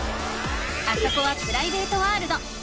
あそこはプライベートワールド。